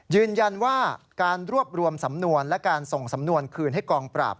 ยืนยันว่าการรวบรวมสำนวนและการส่งสำนวนคืนให้กองปราบ